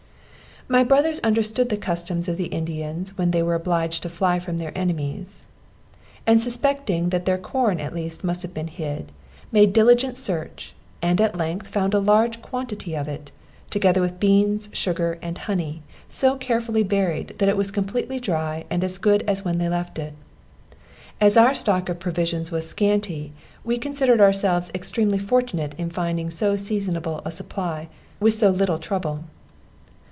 My brothers understood the customs of the Indians when they were obliged to fly from their enemies; and suspecting that their corn at least must have been hid, made diligent search, and at length found a large quantity of it, together with beans, sugar and honey, so carefully buried that it was completely dry and as good as when they left it. As our stock of provision was scanty, we considered ourselves extremely fortunate in finding so seasonable a supply, with so little trouble.